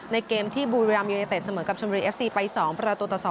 เกมที่บุรีรัมยูเนเต็ดเสมอกับชนบุรีเอฟซีไป๒ประตูต่อ๒